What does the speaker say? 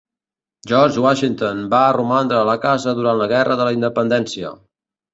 George Washington va romandre a la casa durant la Guerra de la Independència.